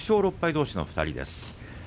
どうしの２人です。